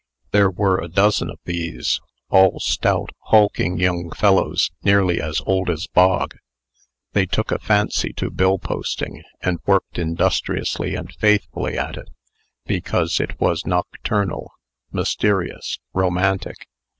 There were a dozen of these, all stout, hulking young fellows nearly as old as Bog. They took a fancy to bill posting, and worked industriously and faithfully at it, because it was nocturnal, mysterious, romantic.